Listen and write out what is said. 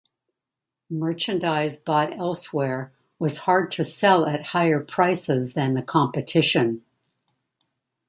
Merchandise bought elsewhere was hard to sell at higher prices than the competition.